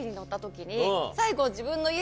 最後。